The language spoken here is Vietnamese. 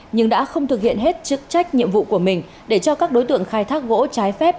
nhưng đã không thực hiện hết chức trách nhiệm vụ của mình để cho các đối tượng khai thác gỗ trái phép